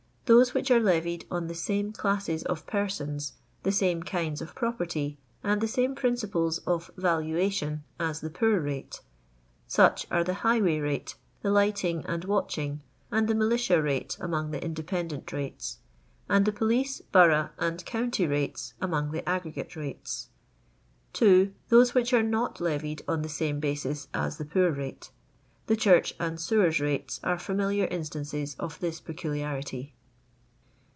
Those which are levied on the same classes of persons, the same kinds of property, and the same principles of yaloation as tne poor rate; such are the highway rate, the lighting and watching, and the militia rate among the inde pendent rates; and the police, borough, and county rates among the aggregate rates. ii. Those which are not leTied on the same basis as the poor rate. The church and sewers rates are fiEuniliar instances of this peculiarity.